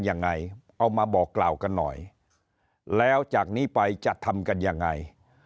ยังไงเอามาบอกกล่าวกันหน่อยแล้วจากนี้ไปจะทำกันยังไง